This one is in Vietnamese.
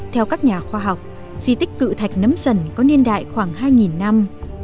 theo các nhà khoa học di tích cự thạch nấm dần có niên đại khoảng hai năm